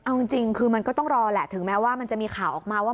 เอาจริงคือมันก็ต้องรอแหละถึงแม้ว่ามันจะมีข่าวออกมาว่า